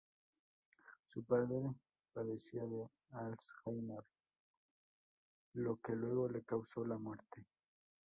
Su padre padecía de Alzheimer lo que luego le causó la muerte.